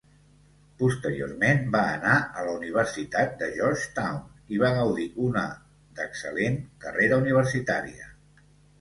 Posteriorment, va anar a la Universitat de Georgetown i va gaudir una d'excel·lent carrera universitària.